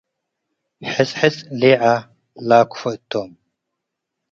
ሕጽ-ሕጽ ሌዐ ላክፎ እቶ'ም።